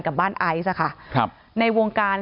กับบ้านไอซค่ะในวงการ